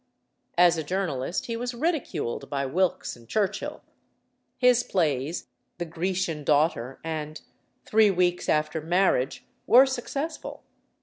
As a journalist he was ridiculed by Wilkes and Churchill. His plays, "The Grecian Daughter" and "Three Weeks after Marriage," were successful.